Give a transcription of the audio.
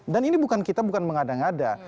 dan ini bukan kita bukan mengada ngada